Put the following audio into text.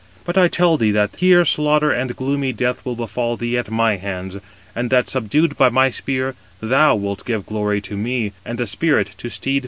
But I tell thee that here slaughter and gloomy death will befall thee at my hands; and that, subdued by my spear, thou wilt give glory to me, and a spirit to steed famed 224 Pluto."